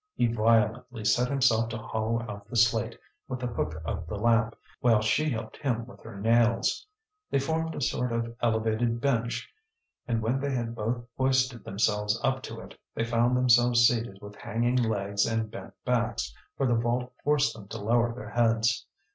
He violently set himself to hollow out the slate with the hook of the lamp, while she helped him with her nails. They formed a sort of elevated bench, and when they had both hoisted themselves up to it, they found themselves seated with hanging legs and bent backs, for the vault forced them to lower their heads.